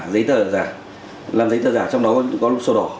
giấy tờ giả làm giấy tờ giả trong đó có sổ đỏ